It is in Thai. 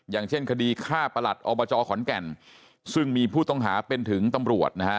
อย่างเช่นคดีฆ่าประหลัดอบจขอนแก่นซึ่งมีผู้ต้องหาเป็นถึงตำรวจนะฮะ